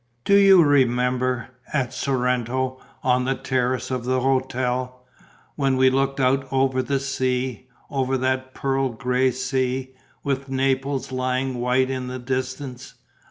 Do you remember, at Sorrento, on the terrace of the hotel, when we looked out over the sea, over that pearl grey sea, with Naples lying white in the distance?